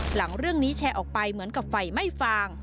หลังเรื่องนี้แชร์ออกไปเหมือนกับไฟไม่ฟาง